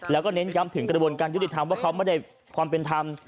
แล้วก็เน้นย้ำถึงกระบวนการยุติธรรมว่าเขาไม่ได้ความเป็นธรรม